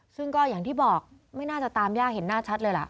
ซึ่งก็อย่างที่บอกไม่น่าจะตามยากเห็นหน้าชัดเลยล่ะ